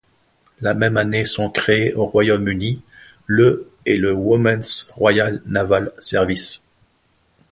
La même année sont créés au Royaume-Uni le et le Women's Royal Naval Service.